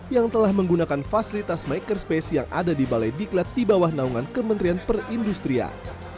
yang telah menggunakan fasilitas makerspace yang ada di balai diklat di bawah naungan kementerian perindustrian